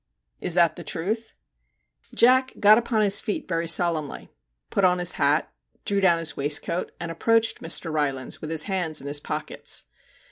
' Is that the truth?' Jack got upon his feet very solemnly, put on his hat, drew down his waistcoat, and approached Mr. Rylands with his hands in his pockets.